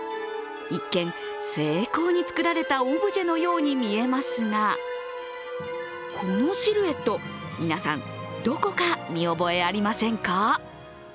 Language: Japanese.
一見、精巧に作られたオブジェのように見えますが、このシルエット皆さん、どこか見覚えありませんか？